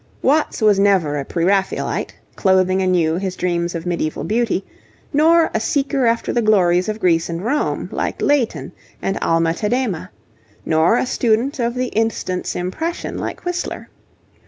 Watts was never a Pre Raphaelite, clothing anew his dreams of medieval beauty; nor a seeker after the glories of Greece and Rome, like Leighton and Alma Tadema; nor a student of the instant's impression, like Whistler.